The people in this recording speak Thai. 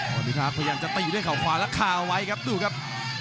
พอพิทักษ์พยายามจะตีด้วยเขาขวาแล้วคาเอาไว้ครับดูครับ